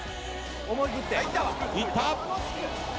いった！